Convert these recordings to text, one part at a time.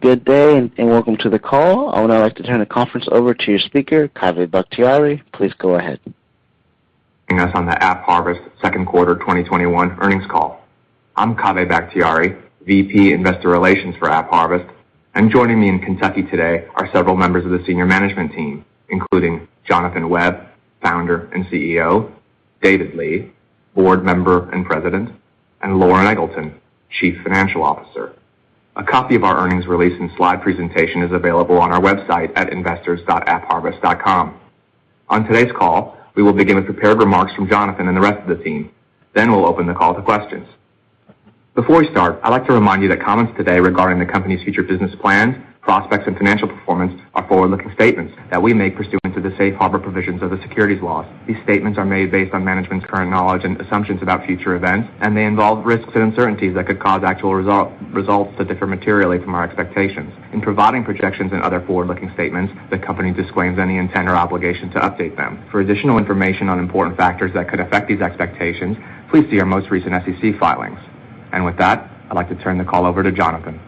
Good day. Welcome to the call. I would now like to turn the conference over to your speaker, Kaveh Bakhtiari. Please go ahead. Thank you for joining us on the AppHarvest second quarter 2021 earnings call. I'm Kaveh Bakhtiari, VP Investor Relations for AppHarvest, and joining me in Kentucky today are several members of the senior management team, including Jonathan Webb, Founder and CEO, David Lee, Board Member and President, and Loren Eggleton, Chief Financial Officer. A copy of our earnings release and slide presentation is available on our website at investors.appharvest.com. On today's call, we will begin with prepared remarks from Jonathan and the rest of the team. We'll open the call to questions. Before we start, I'd like to remind you that comments today regarding the company's future business plans, prospects, and financial performance are forward-looking statements that we make pursuant to the Safe Harbor provisions of the securities laws. These statements are made based on management's current knowledge and assumptions about future events. They involve risks and uncertainties that could cause actual results to differ materially from our expectations. In providing projections and other forward-looking statements, the company disclaims any intent or obligation to update them. For additional information on important factors that could affect these expectations, please see our most recent SEC filings. With that, I'd like to turn the call over to Jonathan.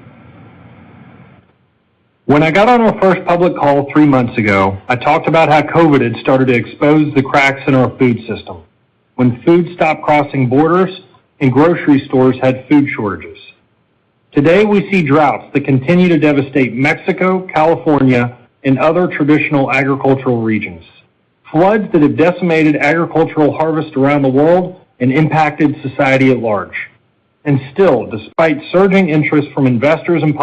When I got on our first public call three months ago, I talked about how COVID had started to expose the cracks in our food system when food stopped crossing borders and grocery stores had food shortages. Today, we see droughts that continue to devastate Mexico, California, and other traditional agricultural regions. Floods that have decimated agricultural harvest around the world and impacted society at large. Still, despite surging interest from investors and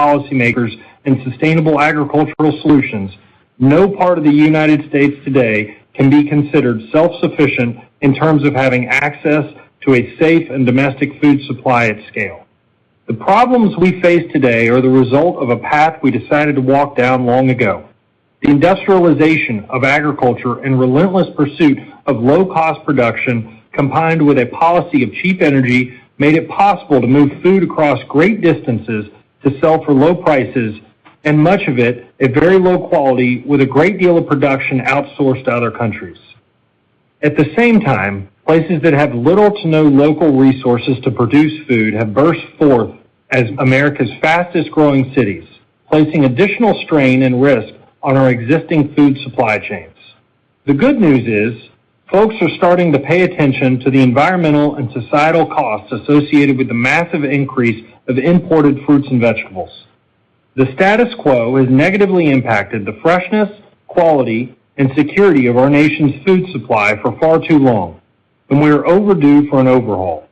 policymakers in sustainable agricultural solutions, no part of the United States today can be considered self-sufficient in terms of having access to a safe and domestic food supply at scale. The problems we face today are the result of a path we decided to walk down long ago. The industrialization of agriculture and relentless pursuit of low-cost production, combined with a policy of cheap energy, made it possible to move food across great distances to sell for low prices, and much of it at very low quality, with a great deal of production outsourced to other countries. At the same time, places that have little to no local resources to produce food have burst forth as America's fastest-growing cities, placing additional strain and risk on our existing food supply chains. The good news is folks are starting to pay attention to the environmental and societal costs associated with the massive increase of imported fruits and vegetables. The status quo has negatively impacted the freshness, quality, and security of our nation's food supply for far too long, and we are overdue for an overhaul.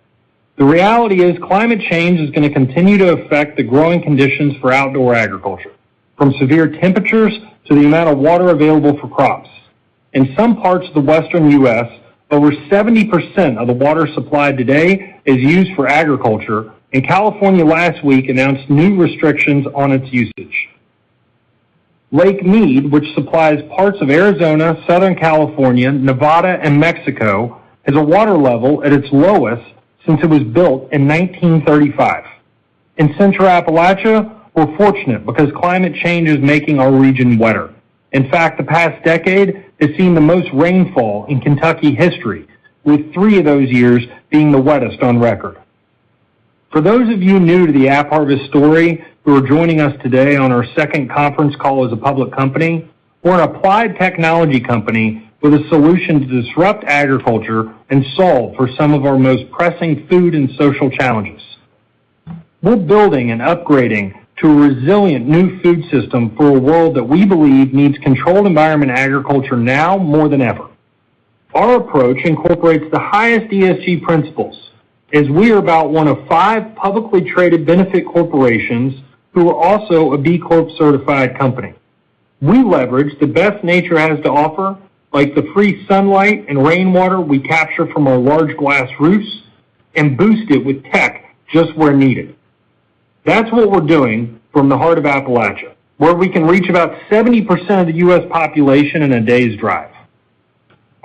The reality is climate change is going to continue to affect the growing conditions for outdoor agriculture, from severe temperatures to the amount of water available for crops. In some parts of the western U.S., over 70% of the water supply today is used for agriculture, and California last week announced new restrictions on its usage. Lake Mead, which supplies parts of Arizona, southern California, Nevada, and Mexico, has a water level at its lowest since it was built in 1935. In Central Appalachia, we're fortunate because climate change is making our region wetter. In fact, the past decade has seen the most rainfall in Kentucky history, with three of those years being the wettest on record. For those of you new to the AppHarvest story who are joining us today on our second conference call as a public company, we're an applied technology company with a solution to disrupt agriculture and solve for some of our most pressing food and social challenges. We're building and upgrading to a resilient new food system for a world that we believe needs controlled environment agriculture now more than ever. Our approach incorporates the highest ESG principles as we are about one of five publicly traded benefit corporations who are also a B Corp certified company. We leverage the best nature has to offer, like the free sunlight and rainwater we capture from our large glass roofs, and boost it with tech just where needed. That's what we're doing from the heart of Appalachia, where we can reach about 70% of the U.S. population in a day's drive.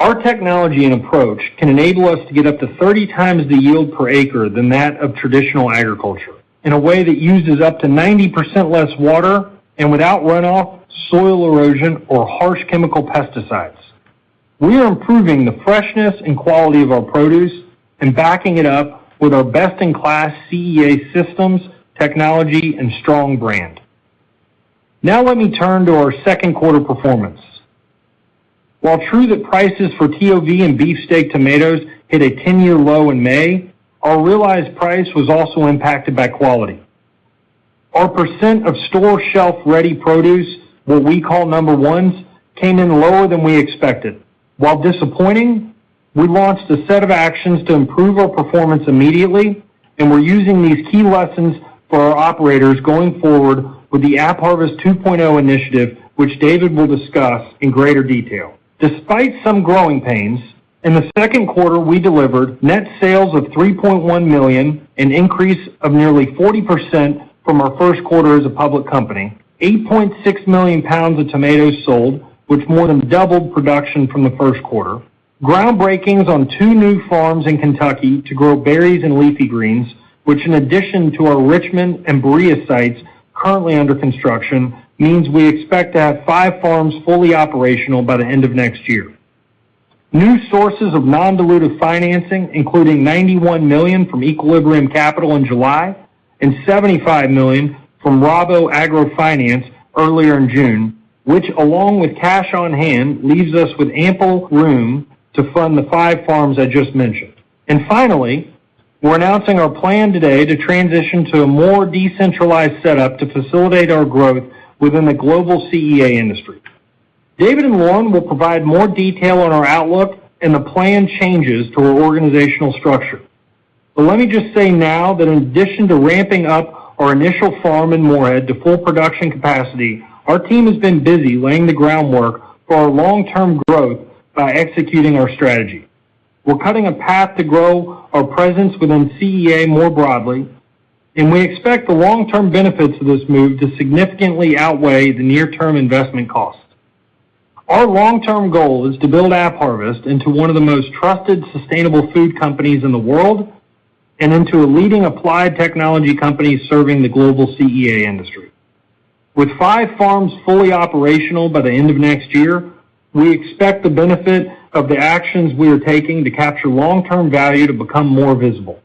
Our technology and approach can enable us to get up to 30x the yield per acre than that of traditional agriculture in a way that uses up to 90% less water and without runoff, soil erosion, or harsh chemical pesticides. We are improving the freshness and quality of our produce and backing it up with our best-in-class CEA systems, technology, and strong brand. Now let me turn to our second quarter performance. While true that prices for TOV and beefsteak tomatoes hit a 10-year low in May, our realized price was also impacted by quality. Our percent of store shelf-ready produce, what we call number ones, came in lower than we expected. While disappointing, we launched a set of actions to improve our performance immediately, and we're using these key lessons for our operators going forward with the AppHarvest 2.0 initiative, which David will discuss in greater detail. Despite some growing pains, in the second quarter, we delivered net sales of $3.1 million, an increase of nearly 40% from our first quarter as a public company. 8.6 million pounds of tomatoes sold, which more than doubled production from the first quarter. Groundbreakings on two new farms in Kentucky to grow berries and leafy greens, which in addition to our Richmond and Berea sites currently under construction, means we expect to have five farms fully operational by the end of next year. New sources of non-dilutive financing, including $91 million from Equilibrium Capital in July and $75 million from Rabo AgriFinance earlier in June, which along with cash on hand, leaves us with ample room to fund the five farms I just mentioned. Finally, we're announcing our plan today to transition to a more decentralized setup to facilitate our growth within the global CEA industry. David and Loren will provide more detail on our outlook and the planned changes to our organizational structure. Let me just say now that in addition to ramping up our initial farm in Morehead to full production capacity, our team has been busy laying the groundwork for our long-term growth by executing our strategy. We're cutting a path to grow our presence within CEA more broadly, and we expect the long-term benefits of this move to significantly outweigh the near-term investment cost. Our long-term goal is to build AppHarvest into one of the most trusted, sustainable food companies in the world and into a leading applied technology company serving the global CEA industry. With five farms fully operational by the end of next year, we expect the benefit of the actions we are taking to capture long-term value to become more visible.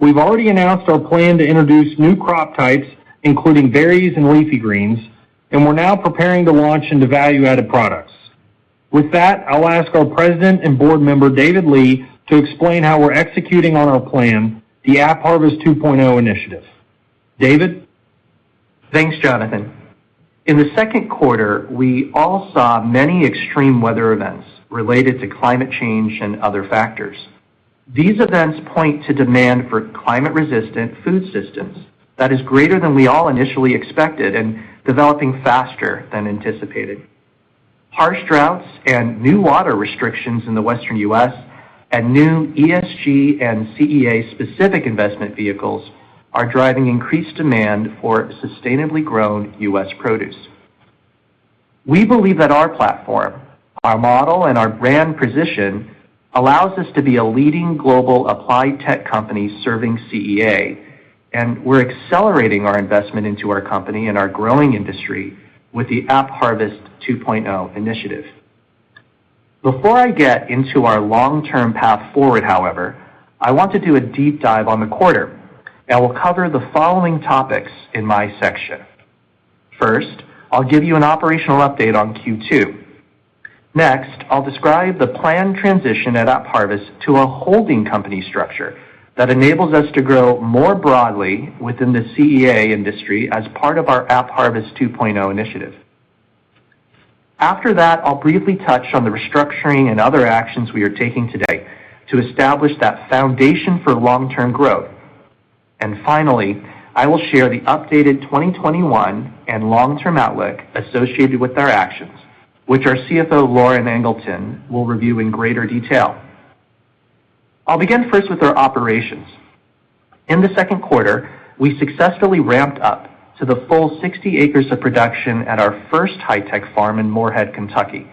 We've already announced our plan to introduce new crop types, including berries and leafy greens, and we're now preparing to launch into value-added products. With that, I'll ask our president and board member, David Lee, to explain how we're executing on our plan, the AppHarvest 2.0 initiative. David? Thanks, Jonathan. In the second quarter, we all saw many extreme weather events related to climate change and other factors. These events point to demand for climate-resistant food systems that is greater than we all initially expected and developing faster than anticipated. Harsh droughts and new water restrictions in the Western U.S. and new ESG and CEA-specific investment vehicles are driving increased demand for sustainably grown U.S. produce. We believe that our platform, our model, and our brand position allows us to be a leading global applied tech company serving CEA, and we're accelerating our investment into our company and our growing industry with the AppHarvest 2.0 initiative. Before I get into our long-term path forward, however, I want to do a deep dive on the quarter, and I will cover the following topics in my section. First, I'll give you an operational update on Q2. Next, I'll describe the planned transition at AppHarvest to a holding company structure that enables us to grow more broadly within the CEA industry as part of our AppHarvest 2.0 initiative. After that, I'll briefly touch on the restructuring and other actions we are taking today to establish that foundation for long-term growth. Finally, I will share the updated 2021 and long-term outlook associated with our actions, which our CFO, Loren Eggleton, will review in greater detail. I'll begin first with our operations. In the second quarter, we successfully ramped up to the full 60 acres of production at our first high-tech farm in Morehead, Kentucky.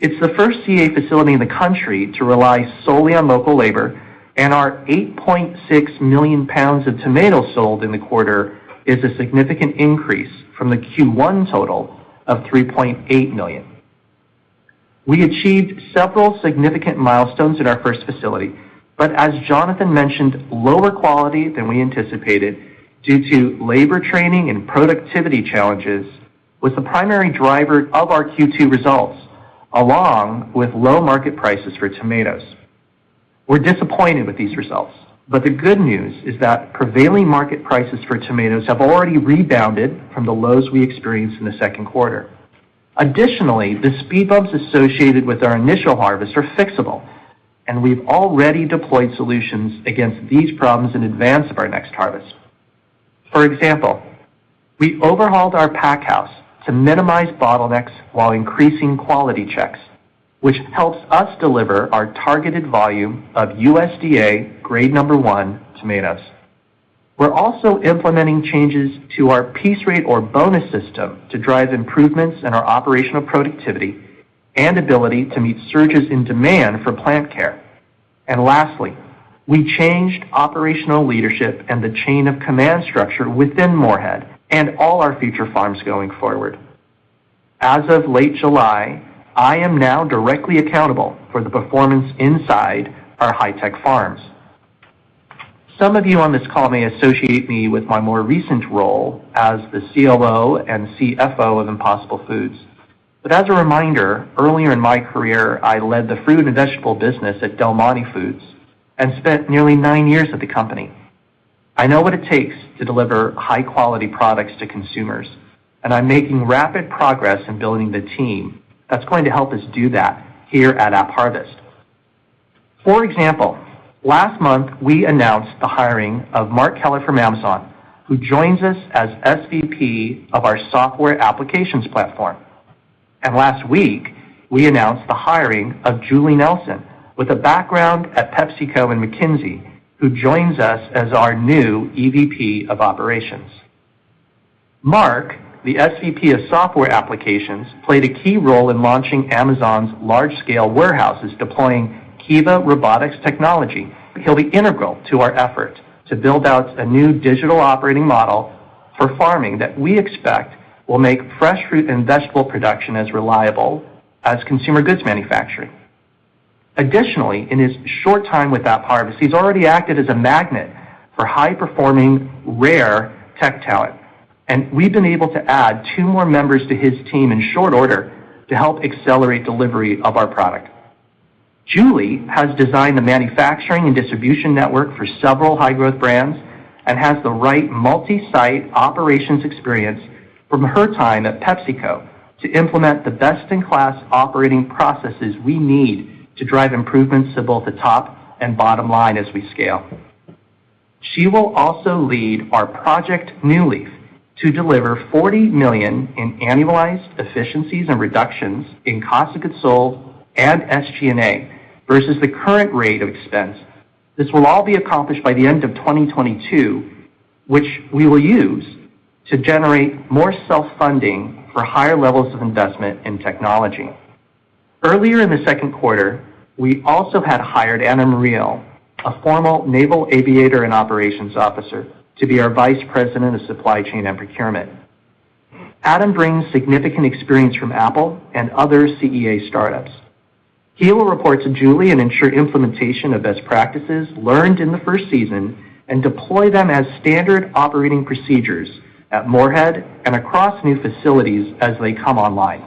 It's the first CEA facility in the country to rely solely on local labor, and our 8.6 million pounds of tomatoes sold in the quarter is a significant increase from the Q1 total of 3.8 million pounds. We achieved several significant milestones at our first facility, as Jonathan Webb mentioned, lower quality than we anticipated due to labor training and productivity challenges was the primary driver of our Q2 results, along with low market prices for tomatoes. We're disappointed with these results, the good news is that prevailing market prices for tomatoes have already rebounded from the lows we experienced in the second quarter. Additionally, the speed bumps associated with our initial harvest are fixable, we've already deployed solutions against these problems in advance of our next harvest. For example, we overhauled our pack house to minimize bottlenecks while increasing quality checks, which helps us deliver our targeted volume of USDA Grade 1 tomatoes. We're also implementing changes to our piece rate or bonus system to drive improvements in our operational productivity and ability to meet surges in demand for plant care. Lastly, we changed operational leadership and the chain of command structure within Morehead and all our future farms going forward. As of late July, I am now directly accountable for the performance inside our high-tech farms. Some of you on this call may associate me with my more recent role as the COO and CFO of Impossible Foods. As a reminder, earlier in my career, I led the fruit and vegetable business at Del Monte Foods and spent nearly nine years at the company. I know what it takes to deliver high-quality products to consumers, and I'm making rapid progress in building the team that's going to help us do that here at AppHarvest. For example, last month, we announced the hiring of Mark Keller from Amazon, who joins us as SVP of our software applications platform. Last week, we announced the hiring of Julie Nelson with a background at PepsiCo and McKinsey, who joins us as our new EVP of Operations. Mark, the SVP of Software Applications Platform, played a key role in launching Amazon's large-scale warehouses, deploying Kiva robotics technology. He'll be integral to our effort to build out a new digital operating model for farming that we expect will make fresh fruit and vegetable production as reliable as consumer goods manufacturing. Additionally, in his short time with AppHarvest, he's already acted as a magnet for high-performing rare tech talent, and we've been able to add two more members to his team in short order to help accelerate delivery of our product. Julie has designed the manufacturing and distribution network for several high-growth brands and has the right multi-site operations experience from her time at PepsiCo to implement the best-in-class operating processes we need to drive improvements to both the top and bottom line as we scale. She will also lead our Project New Leaf to deliver $40 million in annualized efficiencies and reductions in cost of goods sold and SG&A versus the current rate of expense. This will all be accomplished by the end of 2022, which we will use to generate more self-funding for higher levels of investment in technology. Earlier in the second quarter, we also had hired Adam Reel, a former Naval Aviator and Operations Officer, to be our Vice President of Supply Chain and Procurement. Adam brings significant experience from Apple and other CEA startups. He will report to Julie and ensure implementation of best practices learned in the first season and deploy them as standard operating procedures at Morehead and across new facilities as they come online.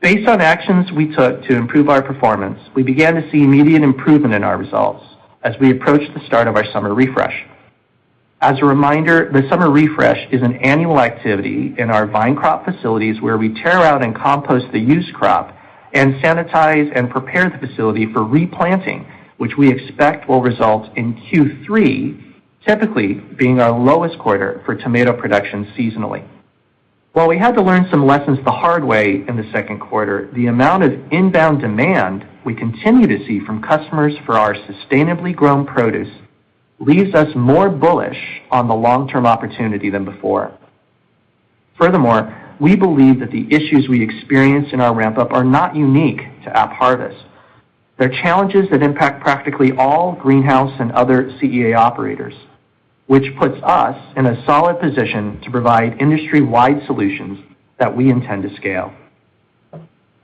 Based on actions we took to improve our performance, we began to see immediate improvement in our results as we approached the start of our summer refresh. As a reminder, the summer refresh is an annual activity in our vine crop facilities where we tear out and compost the used crop and sanitize and prepare the facility for replanting, which we expect will result in Q3 typically being our lowest quarter for tomato production seasonally. While we had to learn some lessons the hard way in the second quarter, the amount of inbound demand we continue to see from customers for our sustainably grown produce leaves us more bullish on the long-term opportunity than before. Furthermore, we believe that the issues we experienced in our ramp-up are not unique to AppHarvest. They're challenges that impact practically all greenhouse and other CEA operators, which puts us in a solid position to provide industry-wide solutions that we intend to scale.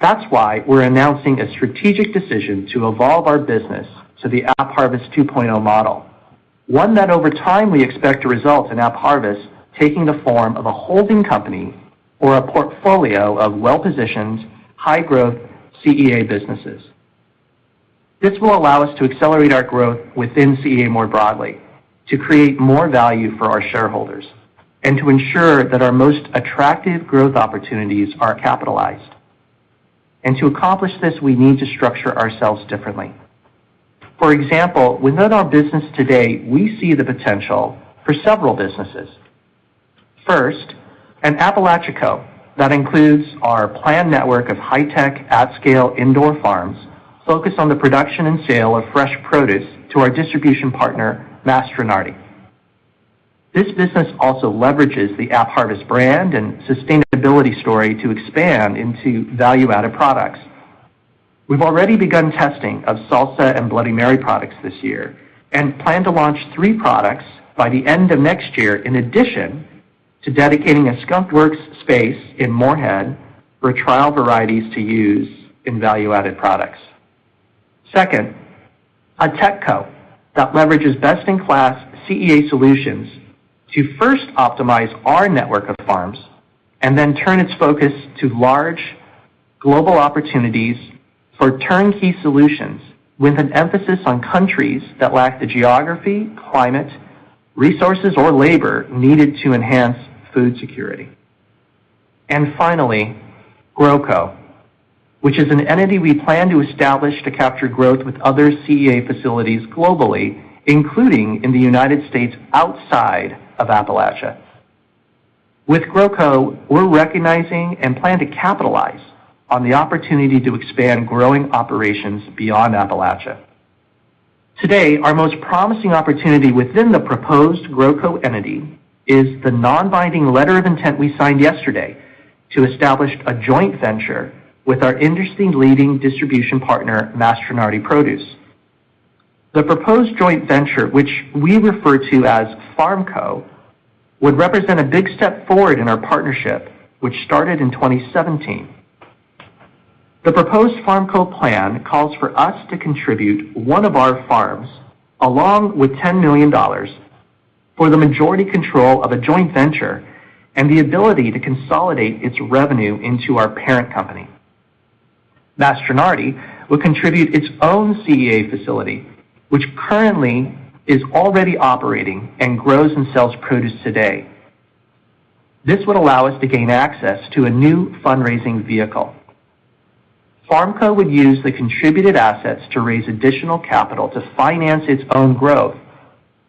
That's why we're announcing a strategic decision to evolve our business to the AppHarvest 2.0 model. One that over time we expect to result in AppHarvest taking the form of a holding company or a portfolio of well-positioned, high-growth CEA businesses. This will allow us to accelerate our growth within CEA more broadly, to create more value for our shareholders, and to ensure that our most attractive growth opportunities are capitalized. To accomplish this, we need to structure ourselves differently. For example, within our business today, we see the potential for several businesses. First, an AppalachiaCo that includes our planned network of high-tech, at-scale indoor farms focused on the production and sale of fresh produce to our distribution partner, Mastronardi. This business also leverages the AppHarvest brand and sustainability story to expand into value-added products. We've already begun testing of salsa and Bloody Mary products this year and plan to launch three products by the end of next year in addition to dedicating a Skunk Works space in Morehead for trial varieties to use in value-added products. Second, a TechCo that leverages best-in-class CEA solutions to first optimize our network of farms and then turn its focus to large global opportunities for turnkey solutions, with an emphasis on countries that lack the geography, climate, resources, or labor needed to enhance food security. Finally, GrowCo, which is an entity we plan to establish to capture growth with other CEA facilities globally, including in the United States, outside of Appalachia. With GrowCo, we are recognizing and plan to capitalize on the opportunity to expand growing operations beyond Appalachia. Today, our most promising opportunity within the proposed GrowCo entity is the non-binding letter of intent we signed yesterday to establish a joint venture with our industry-leading distribution partner, Mastronardi Produce. The proposed joint venture, which we refer to as FarmCo, would represent a big step forward in our partnership, which started in 2017. The proposed FarmCo plan calls for us to contribute one of our farms, along with $10 million for the majority control of a joint venture and the ability to consolidate its revenue into our parent company. Mastronardi will contribute its own CEA facility, which currently is already operating and grows and sells produce today. This would allow us to gain access to a new fundraising vehicle. FarmCo would use the contributed assets to raise additional capital to finance its own growth,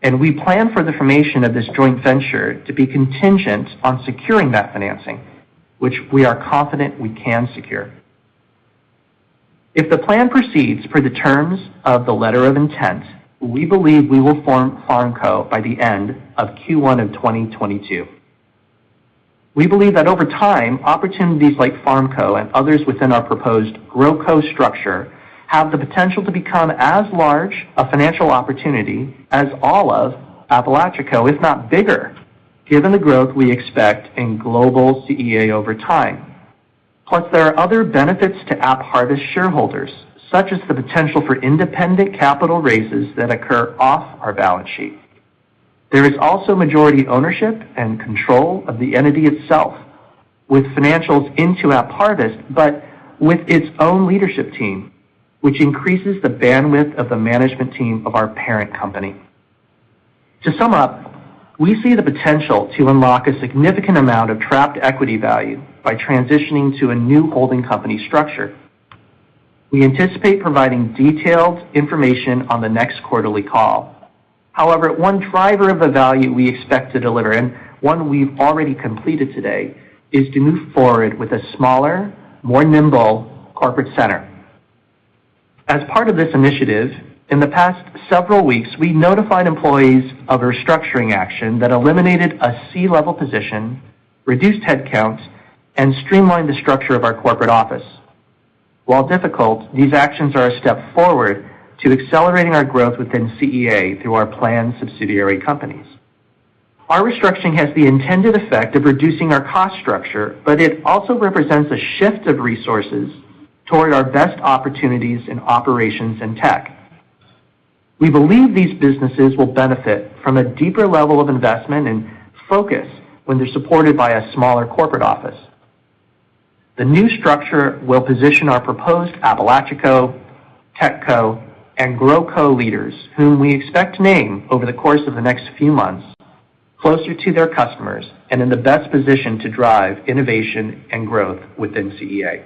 and we plan for the formation of this joint venture to be contingent on securing that financing, which we are confident we can secure. If the plan proceeds per the terms of the letter of intent, we believe we will form FarmCo by the end of Q1 of 2022. We believe that over time, opportunities like FarmCo and others within our proposed GrowCo structure have the potential to become as large a financial opportunity as all of AppalachiaCo, if not bigger, given the growth we expect in global CEA over time. Plus, there are other benefits to AppHarvest shareholders, such as the potential for independent capital raises that occur off our balance sheet. There is also majority ownership and control of the entity itself with financials into AppHarvest, but with its own leadership team, which increases the bandwidth of the management team of our parent company. To sum up, we see the potential to unlock a significant amount of trapped equity value by transitioning to a new holding company structure. We anticipate providing detailed information on the next quarterly call. However, one driver of the value we expect to deliver, and one we've already completed today, is to move forward with a smaller, more nimble corporate center. As part of this initiative, in the past several weeks, we notified employees of a restructuring action that eliminated a C-level position, reduced headcount, and streamlined the structure of our corporate office. While difficult, these actions are a step forward to accelerating our growth within CEA through our planned subsidiary companies. Our restructuring has the intended effect of reducing our cost structure, but it also represents a shift of resources toward our best opportunities in operations and tech. We believe these businesses will benefit from a deeper level of investment and focus when they're supported by a smaller corporate office. The new structure will position our proposed AppalachiaCo, TechCo, and GrowCo leaders, whom we expect to name over the course of the next few months, closer to their customers and in the best position to drive innovation and growth within CEA.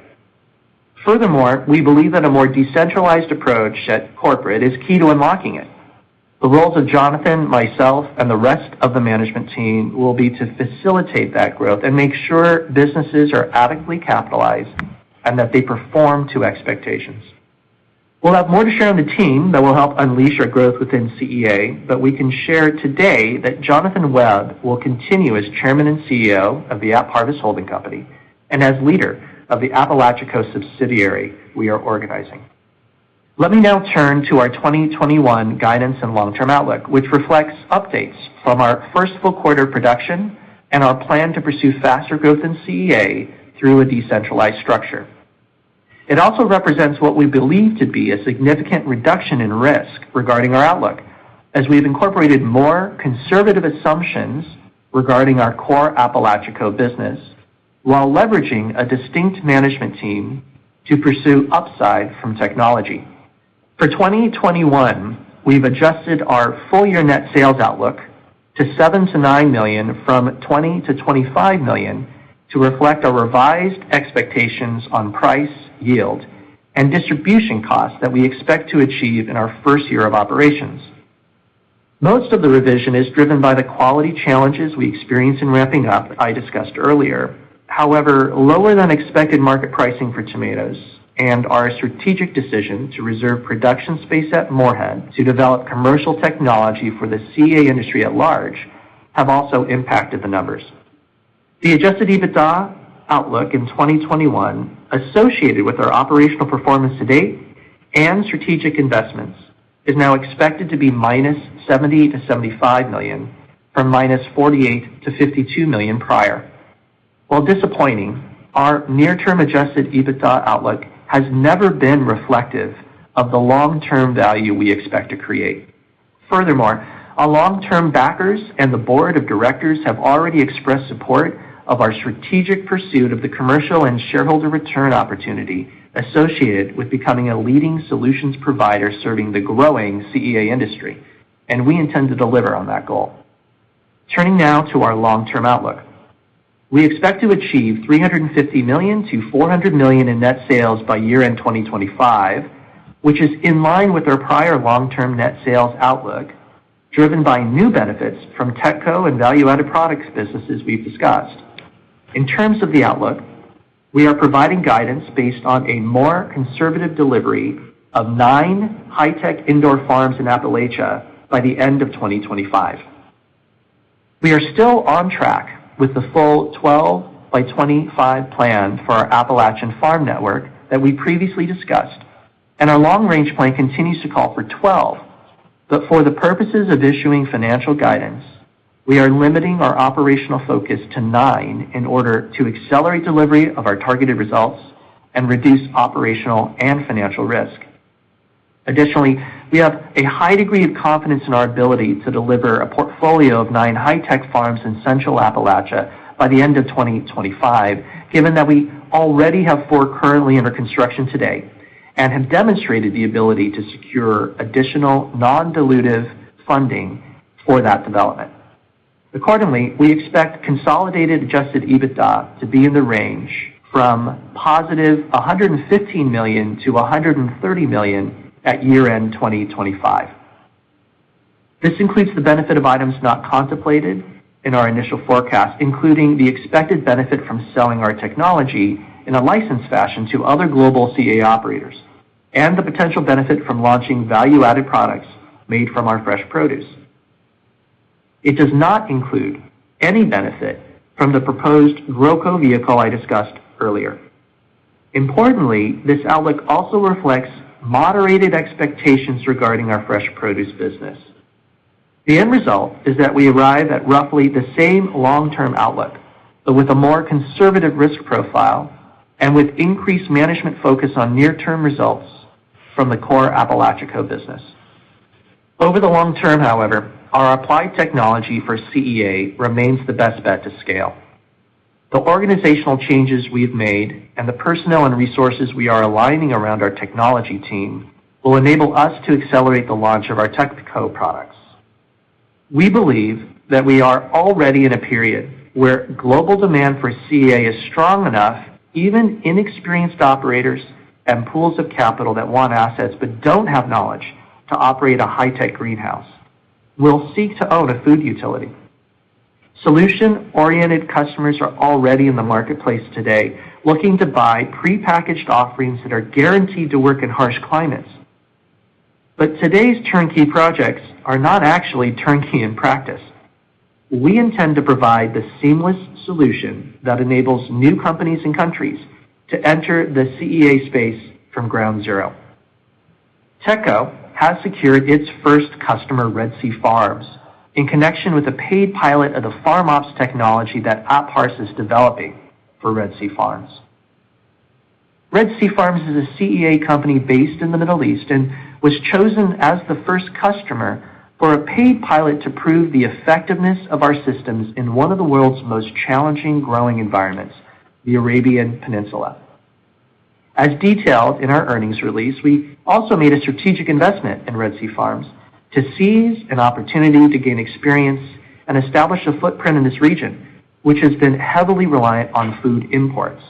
Furthermore, we believe that a more decentralized approach at corporate is key to unlocking it. The roles of Jonathan, myself, and the rest of the management team will be to facilitate that growth and make sure businesses are adequately capitalized and that they perform to expectations. We'll have more to share on the team that will help unleash our growth within CEA, but we can share today that Jonathan Webb will continue as Chairman and CEO of the AppHarvest Holding Company and as leader of the AppalachiaCo subsidiary we are organizing. Let me now turn to our 2021 guidance and long-term outlook, which reflects updates from our first full quarter production and our plan to pursue faster growth in CEA through a decentralized structure. It also represents what we believe to be a significant reduction in risk regarding our outlook, as we've incorporated more conservative assumptions regarding our core AppalachiaCo business while leveraging a distinct management team to pursue upside from technology. For 2021, we've adjusted our full-year net sales outlook to $7 million-$9 million from $20 million-$25 million to reflect our revised expectations on price, yield, and distribution costs that we expect to achieve in our first year of operations. Most of the revision is driven by the quality challenges we experienced in ramping up I discussed earlier. However, lower-than-expected market pricing for tomatoes and our strategic decision to reserve production space at Morehead to develop commercial technology for the CEA industry at large have also impacted the numbers. The adjusted EBITDA outlook in 2021 associated with our operational performance to-date and strategic investments is now expected to be -$70 million to $75 million from -$48 million to $52 million prior. While disappointing, our near-term adjusted EBITDA outlook has never been reflective of the long-term value we expect to create. Our long-term backers and the board of directors have already expressed support of our strategic pursuit of the commercial and shareholder return opportunity associated with becoming a leading solutions provider serving the growing CEA industry, and we intend to deliver on that goal. Turning now to our long-term outlook. We expect to achieve $350 million-$400 million in net sales by year-end 2025, which is in line with our prior long-term net sales outlook, driven by new benefits from TechCo and value-added products businesses we've discussed. In terms of the outlook, we are providing guidance based on a more conservative delivery of nine high-tech indoor farms in Appalachia by the end of 2025. We are still on track with the full 12 by 2025 plan for our Appalachian farm network that we previously discussed, and our long-range plan continues to call for 12. For the purposes of issuing financial guidance, we are limiting our operational focus to nine in order to accelerate delivery of our targeted results and reduce operational and financial risk. Additionally, we have a high degree of confidence in our ability to deliver a portfolio of nine high-tech farms in central Appalachia by the end of 2025, given that we already have four currently under construction today and have demonstrated the ability to secure additional non-dilutive funding for that development. Accordingly, we expect consolidated adjusted EBITDA to be in the range from +$115 million to $130 million at year-end 2025. This includes the benefit of items not contemplated in our initial forecast, including the expected benefit from selling our technology in a licensed fashion to other global CEA operators. The potential benefit from launching value-added products made from our fresh produce. It does not include any benefit from the proposed GrowCo vehicle I discussed earlier. Importantly, this outlook also reflects moderated expectations regarding our fresh produce business. The end result is that we arrive at roughly the same long-term outlook, but with a more conservative risk profile and with increased management focus on near-term results from the core AppalachiaCo business. Over the long term, however, our applied technology for CEA remains the best bet to scale. The organizational changes we've made and the personnel and resources we are aligning around our technology team will enable us to accelerate the launch of our TechCo products. We believe that we are already in a period where global demand for CEA is strong enough, even inexperienced operators and pools of capital that want assets but don't have knowledge to operate a high-tech greenhouse will seek to own a food utility. Solution-oriented customers are already in the marketplace today, looking to buy prepackaged offerings that are guaranteed to work in harsh climates. Today's turnkey projects are not actually turnkey in practice. We intend to provide the seamless solution that enables new companies and countries to enter the CEA space from ground zero. TechCo has secured its first customer, Red Sea Farms, in connection with a paid pilot of the FarmOps technology that AppHarvest is developing for Red Sea Farms. Red Sea Farms is a CEA company based in the Middle East and was chosen as the first customer for a paid pilot to prove the effectiveness of our systems in one of the world's most challenging growing environments, the Arabian Peninsula. As detailed in our earnings release, we also made a strategic investment in Red Sea Farms to seize an opportunity to gain experience and establish a footprint in this region, which has been heavily reliant on food imports.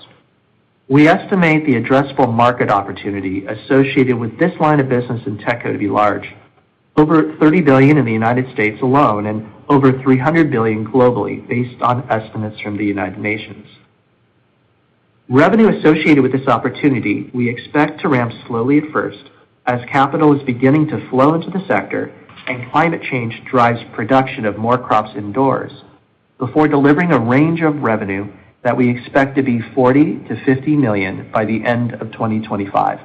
We estimate the addressable market opportunity associated with this line of business in TechCo to be large, over $30 billion in the U.S. alone and over $300 billion globally, based on estimates from the United Nations. Revenue associated with this opportunity we expect to ramp slowly at first as capital is beginning to flow into the sector and climate change drives production of more crops indoors before delivering a range of revenue that we expect to be $40 million-$50 million by the end of 2025.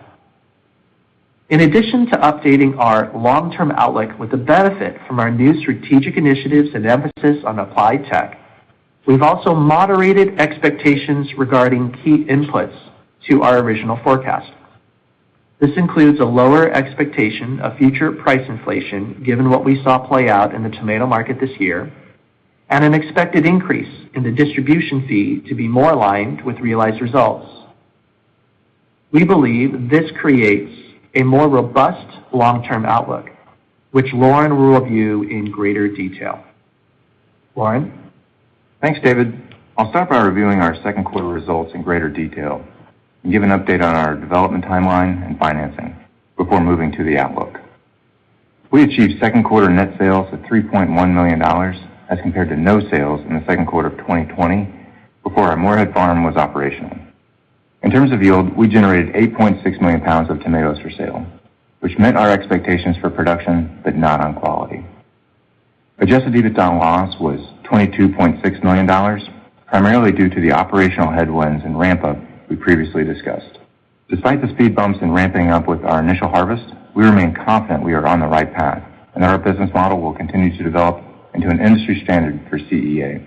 In addition to updating our long-term outlook with the benefit from our new strategic initiatives and emphasis on applied tech, we've also moderated expectations regarding key inputs to our original forecast. This includes a lower expectation of future price inflation given what we saw play out in the tomato market this year, and an expected increase in the distribution fee to be more aligned with realized results. We believe this creates a more robust long-term outlook, which Loren will review in greater detail. Loren? Thanks, David. I'll start by reviewing our second quarter results in greater detail and give an update on our development timeline and financing before moving to the outlook. We achieved second quarter net sales of $3.1 million as compared to no sales in the second quarter of 2020 before our Morehead farm was operational. In terms of yield, we generated 8.6 million pounds of tomatoes for sale, which met our expectations for production. Not on quality. Adjusted EBITDA loss was $22.6 million, primarily due to the operational headwinds and ramp-up we previously discussed. Despite the speed bumps in ramping up with our initial harvest, we remain confident we are on the right path and that our business model will continue to develop into an industry standard for CEA.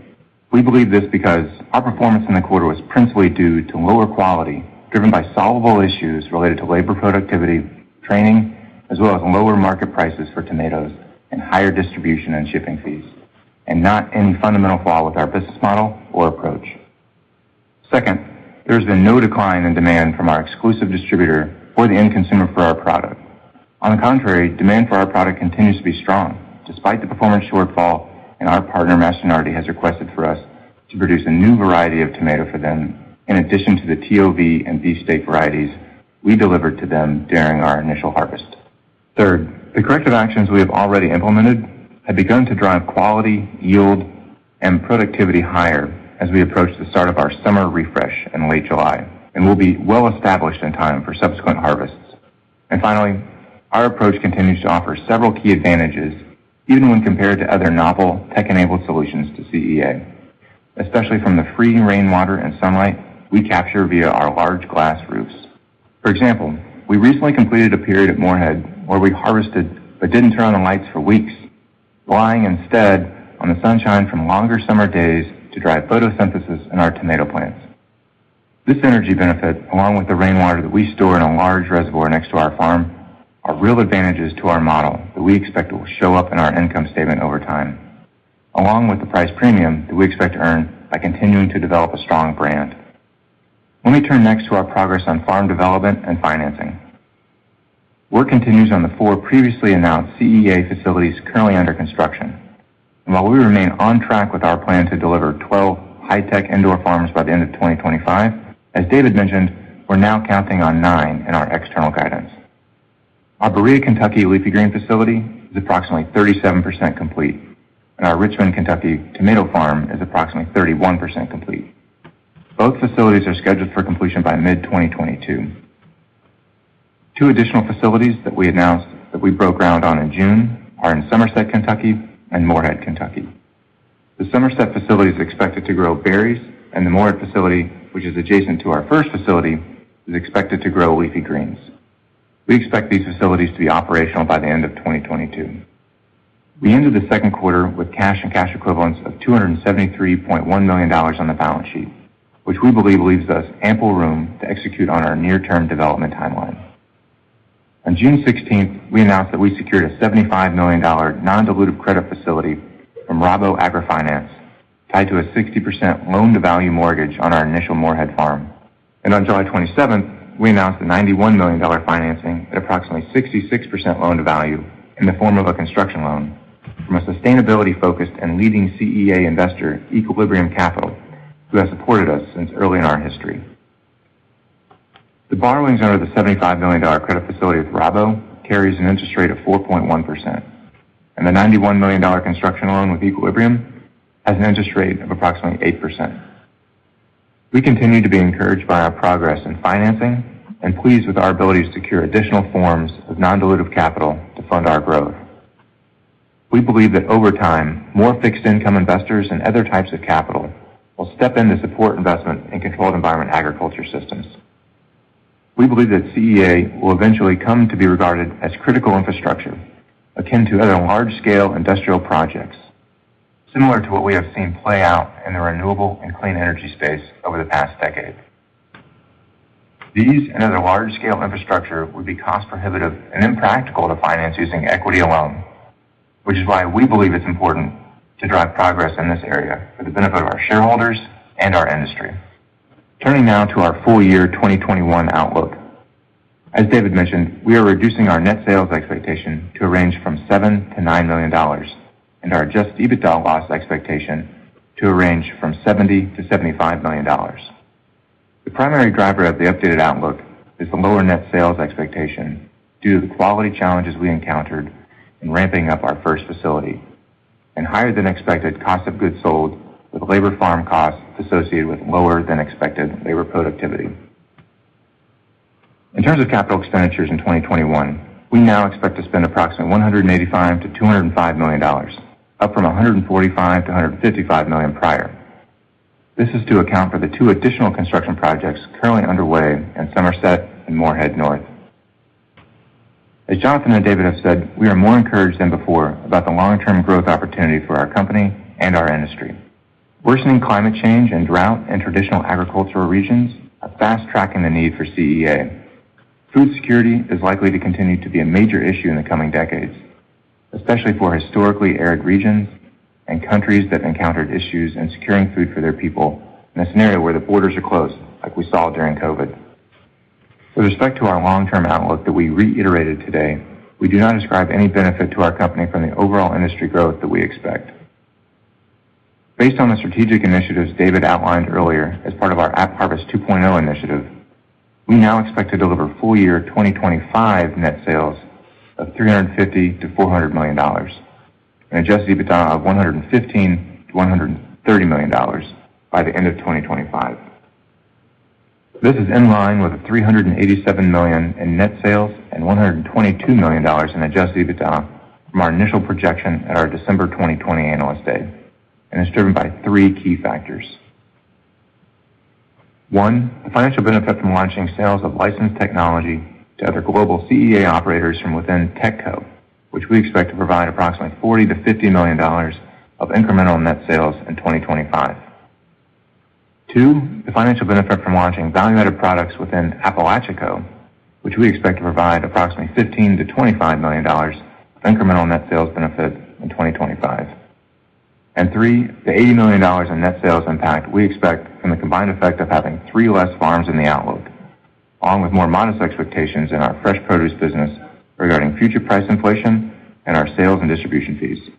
We believe this because our performance in the quarter was principally due to lower quality, driven by solvable issues related to labor productivity, training, as well as lower market prices for tomatoes and higher distribution and shipping fees, not any fundamental flaw with our business model or approach. Second, there's been no decline in demand from our exclusive distributor or the end consumer for our product. On the contrary, demand for our product continues to be strong despite the performance shortfall, and our partner, Mastronardi, has requested for us to produce a new variety of tomato for them in addition to the TOV and beefsteak varieties we delivered to them during our initial harvest. Third, the corrective actions we have already implemented have begun to drive quality, yield, and productivity higher as we approach the start of our summer refresh in late July and will be well-established in time for subsequent harvests. Finally, our approach continues to offer several key advantages, even when compared to other novel tech-enabled solutions to CEA, especially from the free rainwater and sunlight we capture via our large glass roofs. For example, we recently completed a period at Morehead where we harvested but didn't turn on the lights for weeks, relying instead on the sunshine from longer summer days to drive photosynthesis in our tomato plants. This energy benefit, along with the rainwater that we store in a large reservoir next to our farm, are real advantages to our model that we expect will show up in our income statement over time, along with the price premium that we expect to earn by continuing to develop a strong brand. Let me turn next to our progress on farm development and financing. Work continues on the four previously announced CEA facilities currently under construction. While we remain on track with our plan to deliver 12 high-tech indoor farms by the end of 2025, as David mentioned, we're now counting on nine in our external guidance. Our Berea, Kentucky, leafy green facility is approximately 37% complete, and our Richmond, Kentucky, tomato farm is approximately 31% complete. Both facilities are scheduled for completion by mid-2022. Two additional facilities that we announced that we broke ground on in June are in Somerset, Kentucky and Morehead, Kentucky. The Somerset facility is expected to grow berries, the Morehead facility, which is adjacent to our first facility, is expected to grow leafy greens. We expect these facilities to be operational by the end of 2022. We ended the second quarter with cash and cash equivalents of $273.1 million on the balance sheet, which we believe leaves us ample room to execute on our near-term development timeline. On June 16th, we announced that we secured a $75 million non-dilutive credit facility from Rabo AgriFinance tied to a 60% loan-to-value mortgage on our initial Morehead farm. On July 27th, we announced a $91 million financing at approximately 66% loan-to-value in the form of a construction loan from a sustainability-focused and leading CEA investor, Equilibrium Capital, who has supported us since early in our history. The borrowings under the $75 million credit facility with Rabo carries an interest rate of 4.1%, and the $91 million construction loan with Equilibrium has an interest rate of approximately 8%. We continue to be encouraged by our progress in financing and pleased with our ability to secure additional forms of non-dilutive capital to fund our growth. We believe that over time, more fixed income investors and other types of capital will step in to support investment in controlled environment agriculture systems. We believe that CEA will eventually come to be regarded as critical infrastructure, akin to other large-scale industrial projects, similar to what we have seen play out in the renewable and clean energy space over the past decade. These and other large-scale infrastructure would be cost prohibitive and impractical to finance using equity alone, which is why we believe it's important to drive progress in this area for the benefit of our shareholders and our industry. Turning now to our full year 2021 outlook. As David mentioned, we are reducing our net sales expectation to a range from $7 million-$9 million and our adjusted EBITDA loss expectation to a range from $70 million-$75 million. The primary driver of the updated outlook is the lower net sales expectation due to the quality challenges we encountered in ramping up our first facility, and higher than expected cost of goods sold with labor farm costs associated with lower than expected labor productivity. In terms of capital expenditures in 2021, we now expect to spend approximately $185 million-$205 million, up from $145 million-$155 million prior. This is to account for the two additional construction projects currently underway in Somerset and Morehead North. As Jonathan and David have said, we are more encouraged than before about the long-term growth opportunity for our company and our industry. Worsening climate change and drought in traditional agricultural regions are fast-tracking the need for CEA. Food security is likely to continue to be a major issue in the coming decades, especially for historically arid regions and countries that have encountered issues in securing food for their people in a scenario where the borders are closed, like we saw during COVID. With respect to our long-term outlook that we reiterated today, we do not ascribe any benefit to our company from the overall industry growth that we expect. Based on the strategic initiatives David outlined earlier as part of our AppHarvest 2.0 initiative, we now expect to deliver full year 2025 net sales of $350 million-$400 million and adjusted EBITDA of $115 million-$130 million by the end of 2025. This is in line with the $387 million in net sales and $122 million in adjusted EBITDA from our initial projection at our December 2020 Analyst Day, and is driven by three key factors. One, the financial benefit from launching sales of licensed technology to other global CEA operators from within TechCo, which we expect to provide approximately $40 million-$50 million of incremental net sales in 2025. Two, the financial benefit from launching value-added products within AppalachiaCo, which we expect to provide approximately $15 million-$25 million of incremental net sales benefit in 2025. Three, the $80 million in net sales impact we expect from the combined effect of having three less farms in the outlook, along with more modest expectations in our fresh produce business regarding future price inflation and our sales and distribution fees.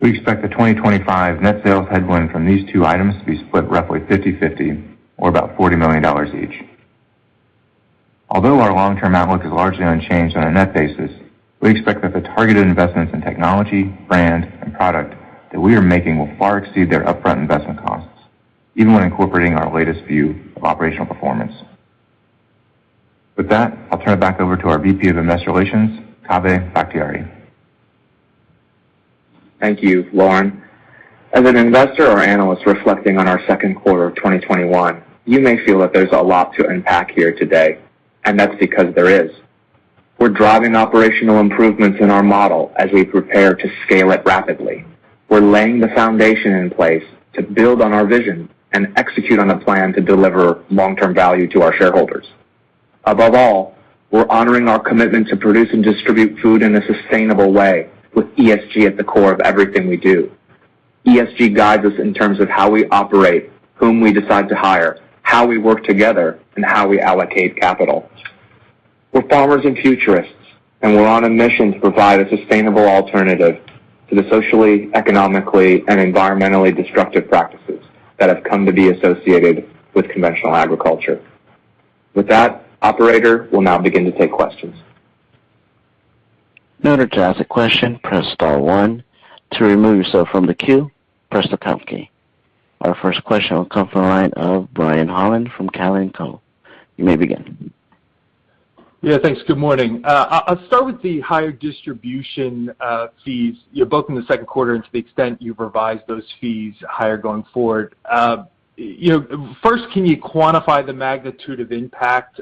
We expect the 2025 net sales headwind from these two items to be split roughly 50/50, or about $40 million each. Although our long-term outlook is largely unchanged on a net basis, we expect that the targeted investments in technology, brand, and product that we are making will far exceed their upfront investment costs, even when incorporating our latest view of operational performance. With that, I'll turn it back over to our VP of Investor Relations, Kaveh Bakhtiari. Thank you, Loren. As an investor or analyst reflecting on our second quarter of 2021, you may feel that there's a lot to unpack here today. That's because there is. We're driving operational improvements in our model as we prepare to scale it rapidly. We're laying the foundation in place to build on our vision and execute on a plan to deliver long-term value to our shareholders. Above all, we're honoring our commitment to produce and distribute food in a sustainable way with ESG at the core of everything we do. ESG guides us in terms of how we operate, whom we decide to hire, how we work together, and how we allocate capital. We're farmers and futurists, we're on a mission to provide a sustainable alternative to the socially, economically, and environmentally destructive practices that have come to be associated with conventional agriculture. With that, operator, we'll now begin to take questions. In order to ask a question press star one. To remove yourself from the queue press the pound key. Our first question will come from the line of Brian Holland from Cowen and Company. You may begin. Yeah, thanks. Good morning. I'll start with the higher distribution fees, both in the second quarter and to the extent you've revised those fees higher going forward. Can you quantify the magnitude of impact,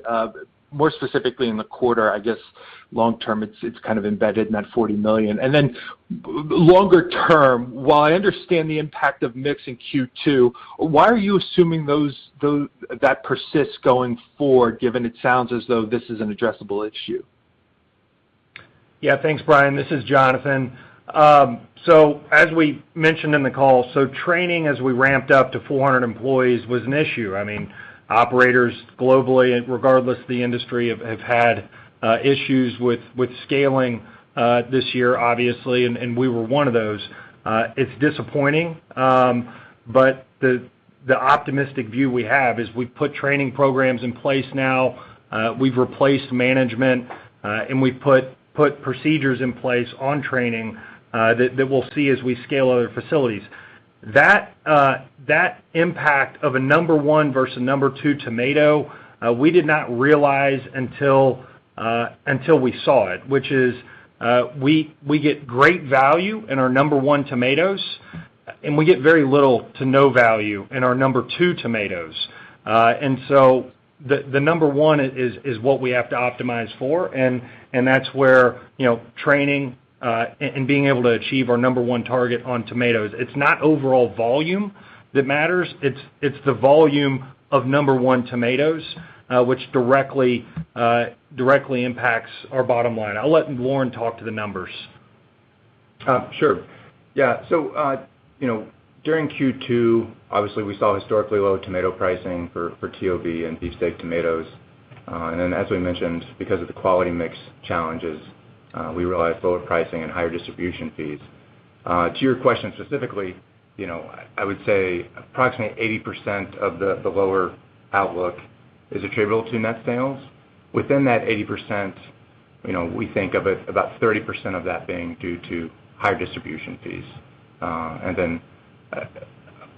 more specifically in the quarter? I guess long term, it's kind of embedded in that $40 million. Longer term, while I understand the impact of mix in Q2, why are you assuming that persists going forward, given it sounds as though this is an addressable issue? Yeah, thanks, Brian. This is Jonathan. As we mentioned in the call, training as we ramped up to 400 employees was an issue. I mean, operators globally, regardless of the industry, have had issues with scaling this year, obviously, and we were one of those. It's disappointing, the optimistic view we have is we've put training programs in place now, we've replaced management, and we've put procedures in place on training that we'll see as we scale other facilities. That impact of a number one versus number two tomato, we did not realize until we saw it, which is we get great value in our number one tomatoes, and we get very little to no value in our number two tomatoes. The number one is what we have to optimize for, and that's where training and being able to achieve our number one target on tomatoes. It's not overall volume that matters. It's the volume of number one tomatoes which directly impacts our bottom line. I'll let Loren talk to the numbers. Sure. Yeah. During Q2, obviously we saw historically low tomato pricing for TOV and beefsteak tomatoes. As we mentioned, because of the quality mix challenges, we realized lower pricing and higher distribution fees. To your question specifically, I would say approximately 80% of the lower outlook is attributable to net sales. Within that 80%, we think of it about 30% of that being due to higher distribution fees.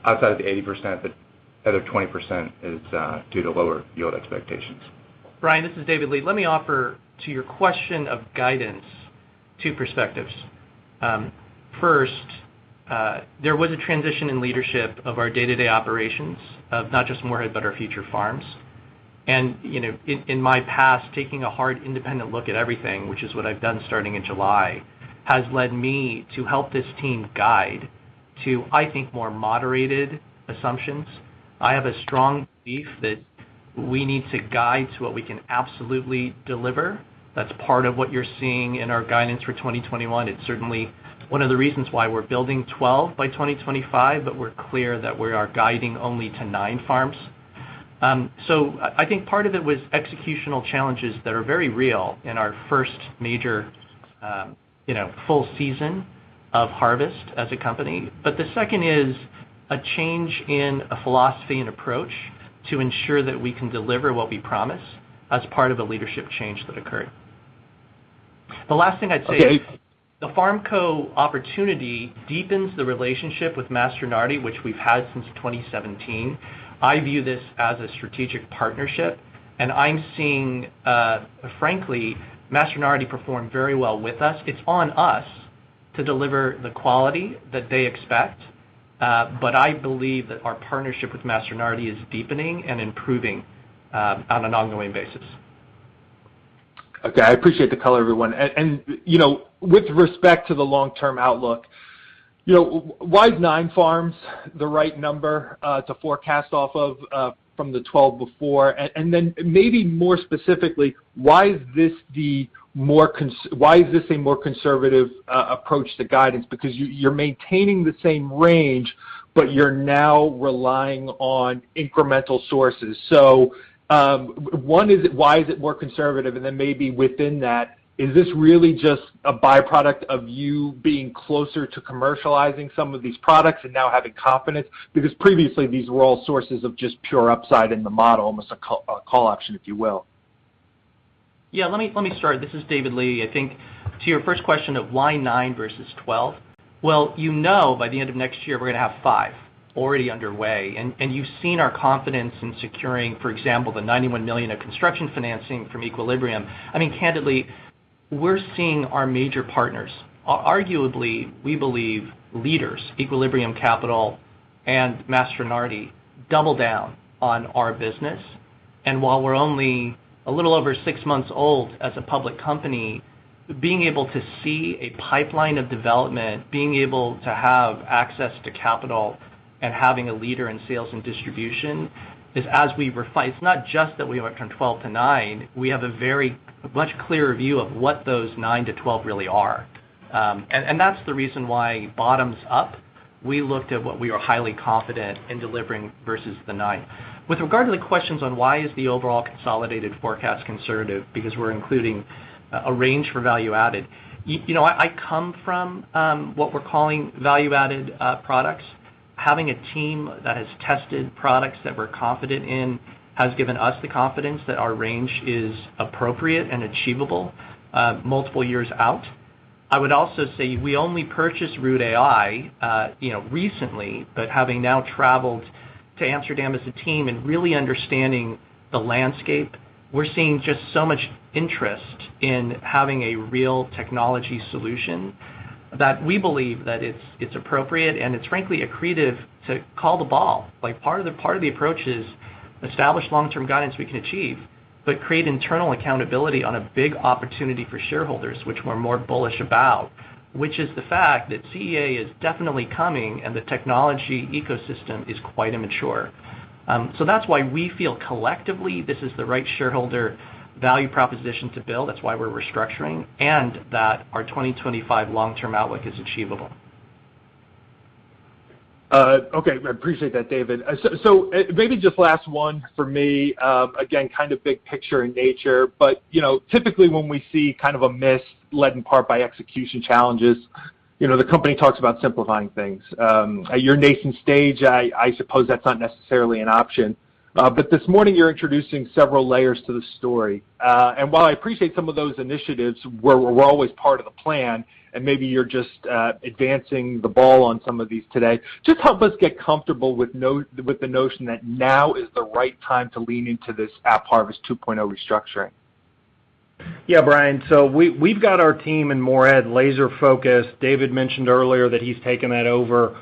Outside of the 80%, the other 20% is due to lower yield expectations. Brian, this is David Lee. Let me offer to your question of guidance two perspectives. First, there was a transition in leadership of our day-to-day operations of not just Morehead, but our future farms. In my past, taking a hard independent look at everything, which is what I've done starting in July, has led me to help this team guide to, I think, more moderated assumptions. I have a strong belief that we need to guide to what we can absolutely deliver. That's part of what you're seeing in our guidance for 2021. It's certainly one of the reasons why we're building 12 by 2025, but we're clear that we are guiding only to nine farms. I think part of it was executional challenges that are very real in our first major full season of harvest as a company. The second is a change in a philosophy and approach to ensure that we can deliver what we promise as part of a leadership change that occurred. Okay The FarmCo opportunity deepens the relationship with Mastronardi, which we've had since 2017. I view this as a strategic partnership, and I'm seeing, frankly, Mastronardi perform very well with us. It's on us to deliver the quality that they expect. I believe that our partnership with Mastronardi is deepening and improving on an ongoing basis. Okay. I appreciate the color, everyone. With respect to the long-term outlook, why is nine farms the right number to forecast off of from the 12 before? Maybe more specifically, why is this a more conservative approach to guidance? Because you're maintaining the same range, but you're now relying on incremental sources. One, why is it more conservative? Maybe within that, is this really just a byproduct of you being closer to commercializing some of these products and now having confidence? Because previously, these were all sources of just pure upside in the model, almost a call option, if you will. Yeah. Let me start. This is David Lee. I think to your first question of why nine versus 12. Well, you know by the end of next year, we're going to have five already underway. You've seen our confidence in securing, for example, the $91 million of construction financing from Equilibrium. I mean, candidly, we're seeing our major partners, arguably, we believe, leaders, Equilibrium Capital and Mastronardi, double down on our business. While we're only a little over six months old as a public company, being able to see a pipeline of development, being able to have access to capital, and having a leader in sales and distribution is as we refine. It's not just that we went from 12 to nine. We have a very much clearer view of what those nine to 12 really are. That's the reason why bottoms-up, we looked at what we are highly confident in delivering versus the nine. With regard to the questions on why is the overall consolidated forecast conservative because we're including a range for value-added. I come from what we're calling value-added products. Having a team that has tested products that we're confident in has given us the confidence that our range is appropriate and achievable multiple years out. I would also say we only purchased Root AI recently. Having now traveled to Amsterdam as a team and really understanding the landscape, we're seeing just so much interest in having a real technology solution that we believe that it's appropriate and it's frankly accretive to call the ball. Part of the approach is establish long-term guidance we can achieve, but create internal accountability on a big opportunity for shareholders, which we're more bullish about, which is the fact that CEA is definitely coming and the technology ecosystem is quite immature. That's why we feel collectively this is the right shareholder value proposition to build, that's why we're restructuring, and that our 2025 long-term outlook is achievable. Okay. I appreciate that, David. Maybe just last one for me. Again, kind of big picture in nature, but typically when we see a miss led in part by execution challenges, the company talks about simplifying things. At your nascent stage, I suppose that's not necessarily an option. This morning you're introducing several layers to the story. While I appreciate some of those initiatives were always part of the plan, and maybe you're just advancing the ball on some of these today, just help us get comfortable with the notion that now is the right time to lean into this AppHarvest 2.0 restructuring. Brian, we've got our team in Morehead laser focused. David mentioned earlier that he's taken that over.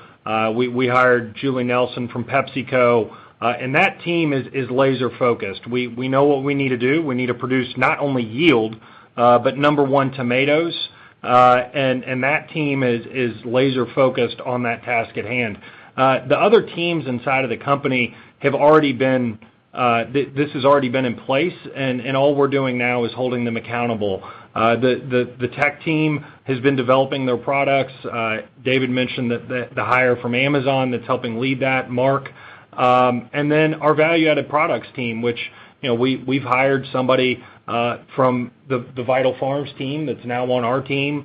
We hired Julie Nelson from PepsiCo, that team is laser focused. We know what we need to do. We need to produce not only yield, but number one tomatoes. That team is laser focused on that task at hand. The other teams inside of the company, this has already been in place, all we're doing now is holding them accountable. The tech team has been developing their products. David mentioned the hire from Amazon that's helping lead that, Mark. Our value-added products team, which we've hired somebody from the Vital Farms team that's now on our team.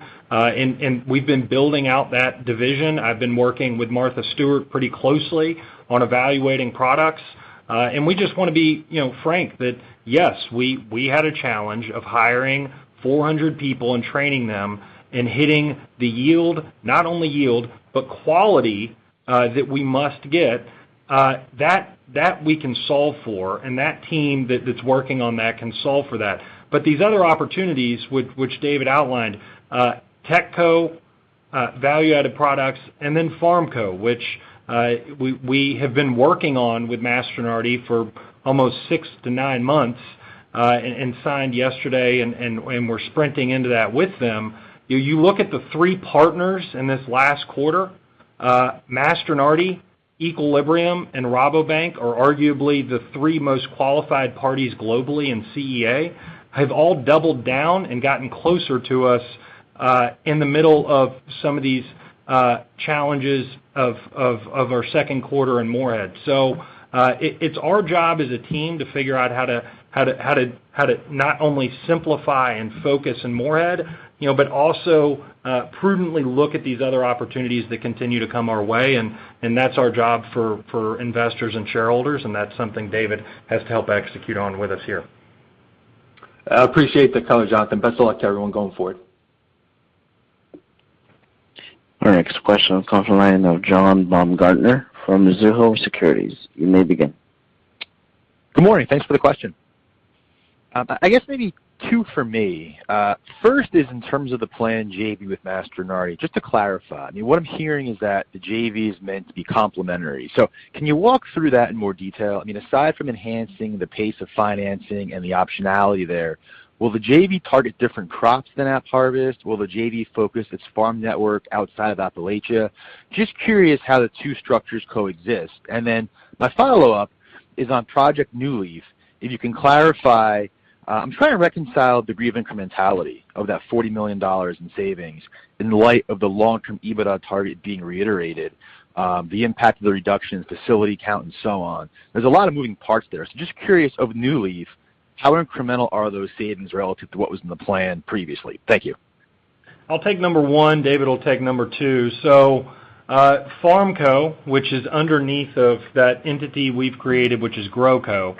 We've been building out that division. I've been working with Martha Stewart pretty closely on evaluating products. We just want to be frank that, yes, we had a challenge of hiring 400 people and training them and hitting the yield, not only yield, but quality that we must get. That we can solve for, and that team that's working on that can solve for that. These other opportunities, which David outlined, TechCo, value-added products, and then FarmCo, which we have been working on with Mastronardi for almost six to nine months, and signed yesterday, and we're sprinting into that with them. You look at the three partners in this last quarter, Mastronardi, Equilibrium, and Rabobank are arguably the three most qualified parties globally in CEA, have all doubled down and gotten closer to us, in the middle of some of these challenges of our second quarter in Morehead. It's our job as a team to figure out how to not only simplify and focus in Morehead, but also prudently look at these other opportunities that continue to come our way, and that's our job for investors and shareholders, and that's something David has to help execute on with us here. I appreciate the color, Jonathan. Best of luck to everyone going forward. Our next question comes from the line of John Baumgartner from Mizuho Securities. You may begin. Good morning. Thanks for the question. I guess maybe two for me. First is in terms of the planned JV with Mastronardi, just to clarify, what I'm hearing is that the JV is meant to be complementary. Can you walk through that in more detail? Aside from enhancing the pace of financing and the optionality there, will the JV target different crops than AppHarvest? Will the JV focus its farm network outside of Appalachia? Just curious how the two structures coexist. My follow-up is on Project New Leaf. If you can clarify, I'm trying to reconcile degree of incrementality of that $40 million in savings in light of the long-term EBITDA target being reiterated, the impact of the reduction in facility count and so on. There's a lot of moving parts there. Just curious of New Leaf, how incremental are those savings relative to what was in the plan previously? Thank you. I'll take number one. David will take number two. FarmCo, which is underneath of that entity we've created, which is GrowCo,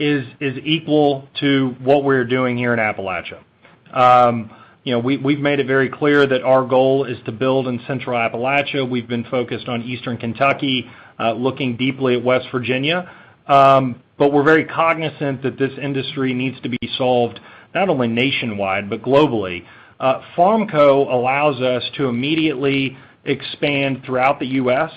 is equal to what we're doing here in Appalachia. We've made it very clear that our goal is to build in Central Appalachia. We've been focused on eastern Kentucky, looking deeply at West Virginia. We're very cognizant that this industry needs to be solved not only nationwide, but globally. FarmCo allows us to immediately expand throughout the U.S.,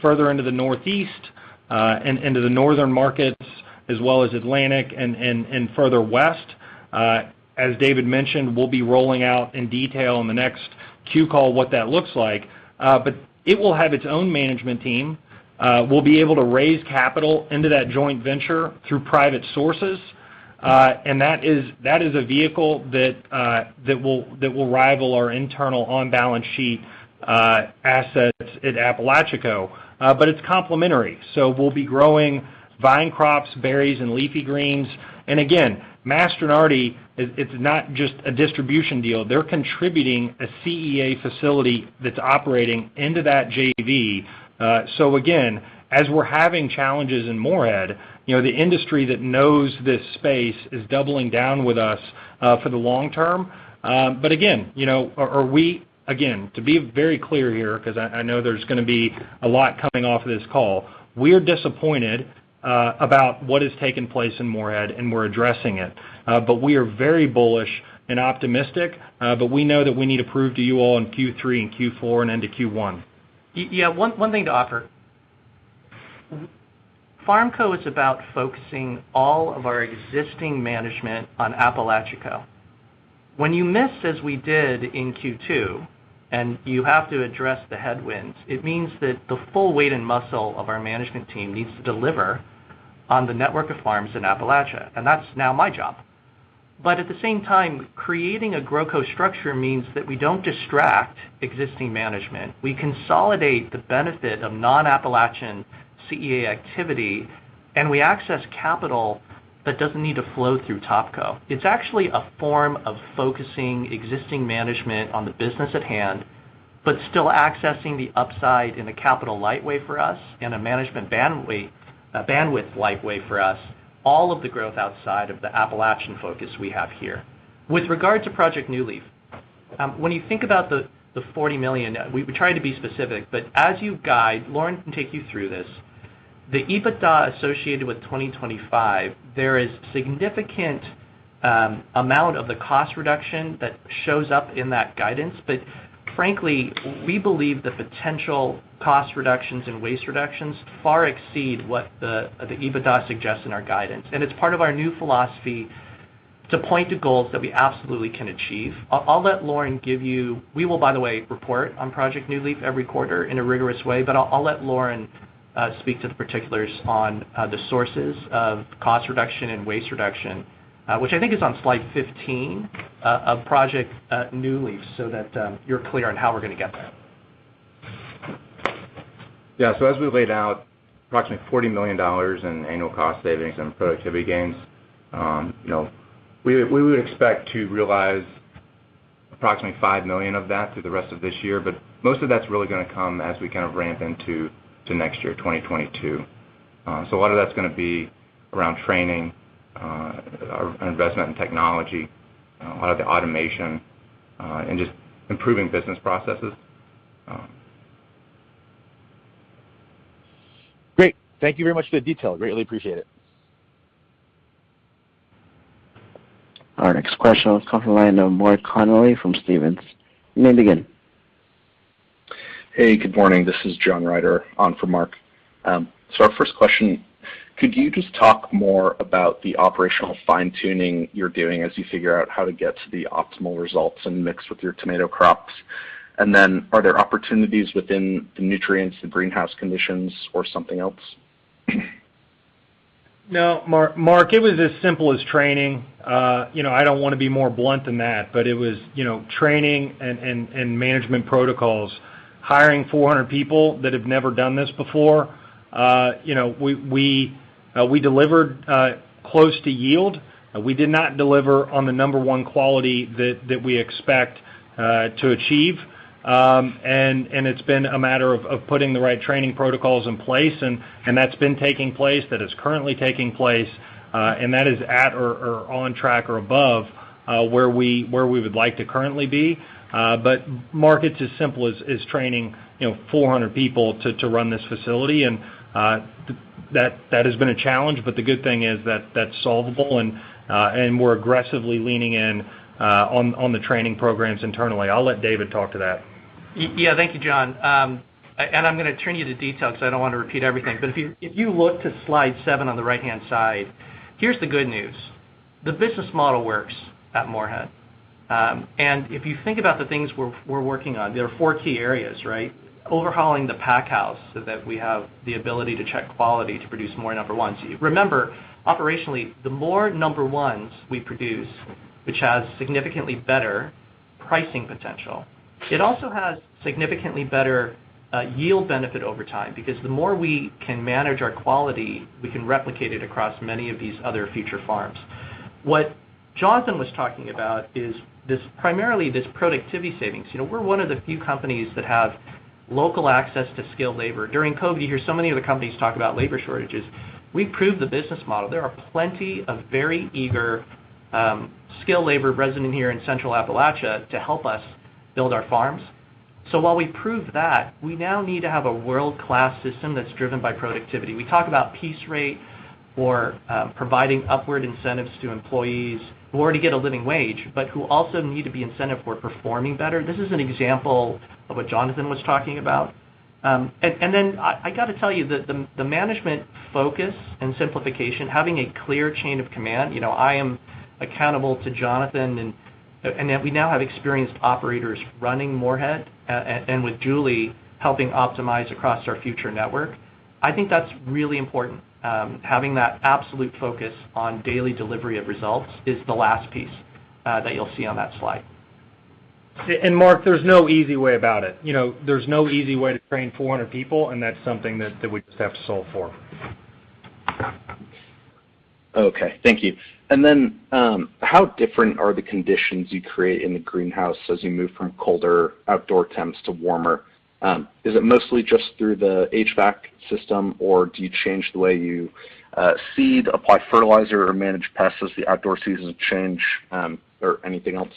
further into the Northeast, and into the northern markets, as well as Atlantic and further west. As David mentioned, we'll be rolling out in detail in the next Q call what that looks like. It will have its own management team. We'll be able to raise capital into that joint venture through private sources. That is a vehicle that will rival our internal on-balance sheet assets at AppalachiaCo, but it's complementary. We'll be growing vine crops, berries, and leafy greens. Again, Mastronardi, it's not just a distribution deal. They're contributing a CEA facility that's operating into that JV. Again, as we're having challenges in Morehead, the industry that knows this space is doubling down with us for the long term. Again, to be very clear here, because I know there's going to be a lot coming off of this call, we're disappointed about what has taken place in Morehead, and we're addressing it. We are very bullish and optimistic, but we know that we need to prove to you all in Q3 and Q4 and into Q1. Yeah. One thing to offer. FarmCo is about focusing all of our existing management on AppalachiaCo. When you miss, as we did in Q2, and you have to address the headwinds, it means that the full weight and muscle of our management team needs to deliver on the network of farms in Appalachia, and that's now my job. At the same time, creating a GrowCo structure means that we don't distract existing management. We consolidate the benefit of non-Appalachian CEA activity, and we access capital that doesn't need to flow through TopCo. It's actually a form of focusing existing management on the business at hand, but still accessing the upside in a capital-light way for us, and a management bandwidth-light way for us, all of the growth outside of the Appalachian focus we have here. With regard to Project New Leaf, when you think about the $40 million, we try to be specific, but as you guide, Loren can take you through this. The EBITDA associated with 2025, there is significant amount of the cost reduction that shows up in that guidance. Frankly, we believe the potential cost reductions and waste reductions far exceed what the EBITDA suggests in our guidance. It's part of our new philosophy to point to goals that we absolutely can achieve. We will, by the way, report on Project New Leaf every quarter in a rigorous way, I'll let Loren speak to the particulars on the sources of cost reduction and waste reduction, which I think is on slide 15 of Project New Leaf, so that you're clear on how we're going to get there. Yeah. As we laid out, $40 million in annual cost savings and productivity gains. We would expect to realize $5 million of that through the rest of this year. Most of that's really going to come as we kind of ramp into next year, 2022. A lot of that's going to be around training, our investment in technology, a lot of the automation, and just improving business processes. Great. Thank you very much for the detail. Greatly appreciate it. Our next question comes from the line of Mark Connelly from Stephens. You may begin. Hey, good morning. This is John Reiter on for Mark. Our first question, could you just talk more about the operational fine-tuning you're doing as you figure out how to get to the optimal results and mix with your tomato crops? Are there opportunities within the nutrients, the greenhouse conditions, or something else? No, Mark. It was as simple as training. I don't want to be more blunt than that. It was training and management protocols, hiring 400 people that have never done this before. We delivered close to yield. We did not deliver on the number one quality that we expect to achieve. It's been a matter of putting the right training protocols in place, and that's been taking place, that is currently taking place, and that is at or on track or above where we would like to currently be. Mark, it's as simple as training 400 people to run this facility, and that has been a challenge, but the good thing is that's solvable, and we're aggressively leaning in on the training programs internally. I'll let David talk to that. Yeah. Thank you, John. I'm going to turn you to details because I don't want to repeat everything. If you look to slide seven on the right-hand side, here's the good news. The business model works at Morehead. If you think about the things we're working on, there are four key areas. Overhauling the pack house so that we have the ability to check quality to produce more number 1s. Remember, operationally, the more number 1s we produce, which has significantly better pricing potential, it also has significantly better yield benefit over time. Because the more we can manage our quality, we can replicate it across many of these other future farms. What Jonathan was talking about is primarily this productivity savings. We're one of the few companies that have local access to skilled labor. During COVID, you hear so many other companies talk about labor shortages. We've proved the business model. There are plenty of very eager skilled labor resident here in Central Appalachia to help us build our farms. While we proved that, we now need to have a world-class system that's driven by productivity. We talk about piece rate or providing upward incentives to employees who already get a living wage, but who also need to be incentivized for performing better. This is an example of what Jonathan was talking about. I got to tell you that the management focus and simplification, having a clear chain of command, and that I am accountable to Jonathan, and that we now have experienced operators running Morehead, and with Julie helping optimize across our future network. I think that's really important. Having that absolute focus on daily delivery of results is the last piece that you'll see on that slide. Mark, there's no easy way about it. There's no easy way to train 400 people. That's something that we just have to solve for. Okay. Thank you. How different are the conditions you create in the greenhouse as you move from colder outdoor temps to warmer? Is it mostly just through the HVAC system, or do you change the way you seed, apply fertilizer, or manage pests as the outdoor seasons change? Anything else?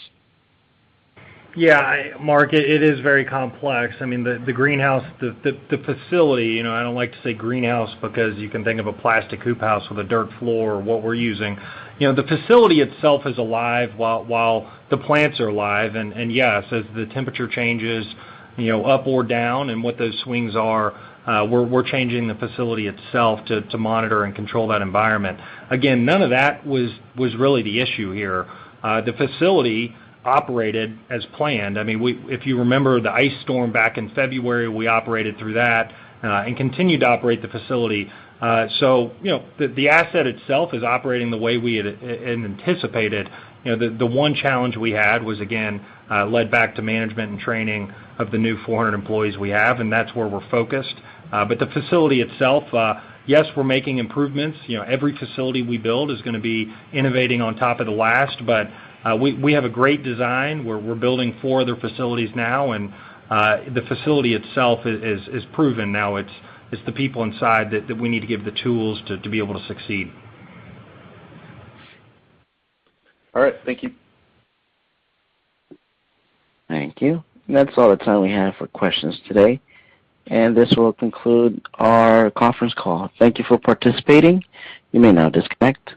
Yeah, Mark, it is very complex. The greenhouse, the facility, I don't like to say greenhouse because you can think of a plastic hoop house with a dirt floor, what we're using. The facility itself is alive while the plants are alive. Yes, as the temperature changes up or down and what those swings are, we're changing the facility itself to monitor and control that environment. Again, none of that was really the issue here. The facility operated as planned. If you remember the ice storm back in February, we operated through that and continued to operate the facility. The asset itself is operating the way we had anticipated. The one challenge we had was, again, led back to management and training of the new 400 employees we have, and that's where we're focused. The facility itself, yes, we're making improvements. Every facility we build is going to be innovating on top of the last. We have a great design. We're building four other facilities now, and the facility itself is proven now. It's the people inside that we need to give the tools to be able to succeed. All right. Thank you. Thank you. That's all the time we have for questions today. This will conclude our conference call. Thank you for participating. You may now disconnect.